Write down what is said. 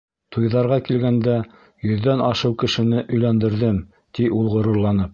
Туйҙарға килгәндә, йөҙҙән ашыу кешене өйләндерҙем, ти ул ғорурланып.